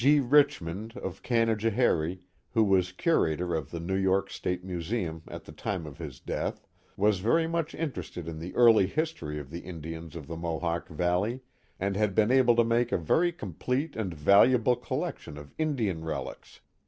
G. Richmond, of Canajoharie, who was curator of the New York State Museum at the time of his death, was very much interested in the early history of the Indians of the Mohawk Valley, and had been able to make a very complete and valuable collection of Indian relics.